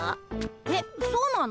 えっそうなの？